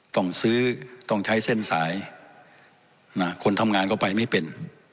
ต้องซื้อต้องใช้เส้นสายคนทำงานก็ไปไม่เป็น